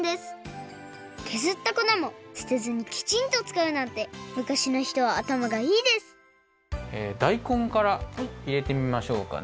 けずったこなもすてずにきちんとつかうなんて昔の人はあたまがいいですだいこんからいれてみましょうかね。